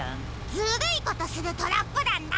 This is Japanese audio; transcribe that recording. ずるいことするトラップだんだ！